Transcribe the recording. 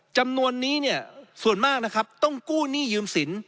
จำนวนนี้เนี่ยส่วนมากนะครับต้องกู้หนี้ยืมสิน